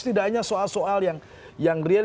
tidak hanya soal soal yang real